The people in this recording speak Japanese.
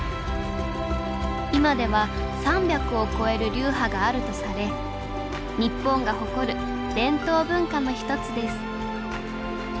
今では３００を超える流派があるとされ日本が誇る伝統文化の１つです